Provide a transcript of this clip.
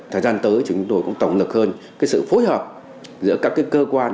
thời gian tới chúng tôi cũng tổng lực hơn cái sự phối hợp giữa các cơ quan